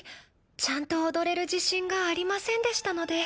ちゃんと踊れる自信がありませんでしたので。